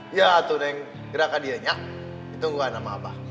iya tuh neng gerakkan dia nyak ditungguan sama abah